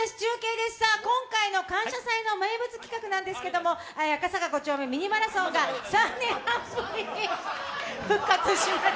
今回の「感謝祭」の名物企画なんですけれども「赤坂５丁目ミニマラソン」が３年半ぶりに復活します。